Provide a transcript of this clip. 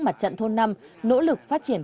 mặt trận thôn năm nỗ lực phát triển